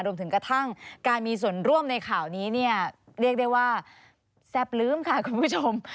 รวมถึงกระทั่งการมีส่วนร่วมในข่าวนี้เนี่ยเรียกได้ว่าแซ่บลื้มค่ะคุณผู้ชม